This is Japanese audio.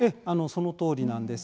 そのとおりなんです。